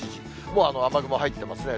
もう雨雲入ってますね。